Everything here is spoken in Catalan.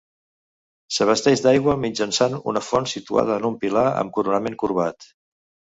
S'abasteix d'aigua mitjançant una font situada en un pilar amb coronament corbat.